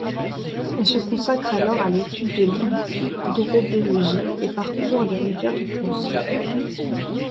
Elle se consacre alors à l’étude de l'hydrobiologie et parcours les rivières de France.